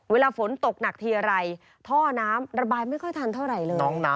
เวลาฝนตกหนักทีอะไรท่อน้ำระบายไม่ค่อยทันเท่าไหร่เลย